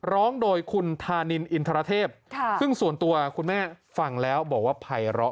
ร้องโดยคุณธานินอินทรเทพ